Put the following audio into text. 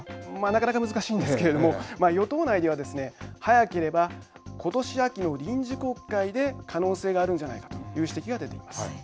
なかなか難しいんですけれども与党内ではですね早ければ、ことし秋の臨時国会で可能性があるんじゃないかという指摘が出ています。